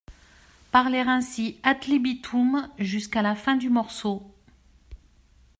Parler ainsi ad libitum jusqu'à la fin du morceau.